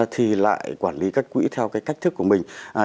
thì lại quản lý các quỹ theo cái cách thức của mình